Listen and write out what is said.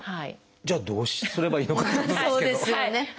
じゃあどうすればいいのかっていうことですけど。